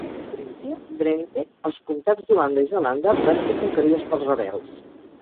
Frísia, Drenthe, els comtats d'Holanda i Zelanda van ser conquerides pels rebels.